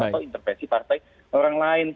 atau intervensi partai orang lain